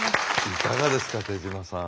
いかがですか手島さん。